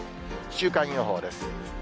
週間予報です。